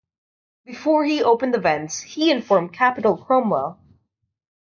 Before he opened the vents, he informed Captain Cromwell.